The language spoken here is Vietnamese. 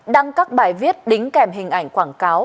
đăng các bài viết đính kèm hình ảnh quảng cáo